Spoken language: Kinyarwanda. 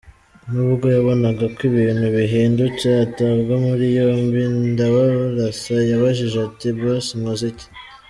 Nubwo yabonaga ko ibintu bihindutse, atabwa muri yombi Ndabarasa yabajije ati: “Boss Nkoze iki?”